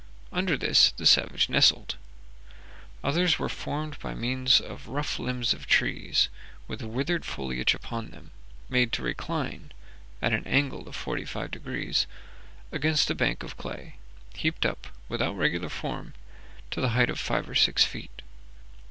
Under this the savage nestled. Others were formed by means of rough limbs of trees, with the withered foliage upon them, made to recline, at an angle of forty five degrees, against a bank of clay, heaped up, without regular form, to the height of five or six feet.